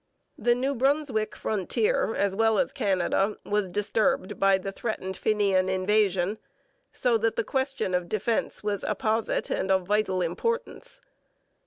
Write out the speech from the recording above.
The New Brunswick frontier, as well as Canada, was disturbed by the threatened Fenian invasion, so that the question of defence was apposite and of vital importance.